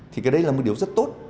thì cái đấy là một điều rất tốt